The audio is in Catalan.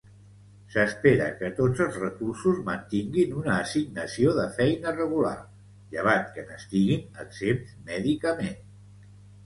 S'espera que tots els reclusos mantinguin una assignació de feina regular, llevat que n'estiguin exempts mèdicament.